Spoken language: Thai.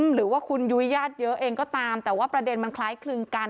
หรือว่าคุณยุ้ยญาติเยอะเองก็ตามแต่ว่าประเด็นมันคล้ายคลึงกัน